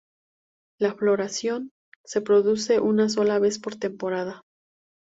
La floración se produce una sola vez por temporada.